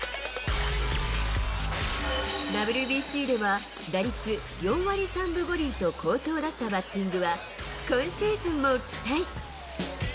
ＷＢＣでは打率４割３分５厘と好調だったバッティングは、今シーズンも期待。